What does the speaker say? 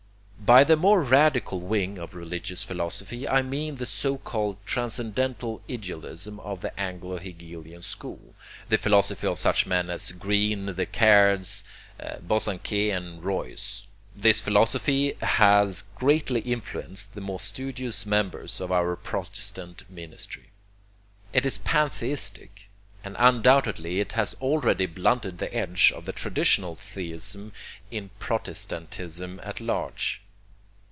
By the more radical wing of religious philosophy I mean the so called transcendental idealism of the Anglo Hegelian school, the philosophy of such men as Green, the Cairds, Bosanquet, and Royce. This philosophy has greatly influenced the more studious members of our protestant ministry. It is pantheistic, and undoubtedly it has already blunted the edge of the traditional theism in protestantism at large.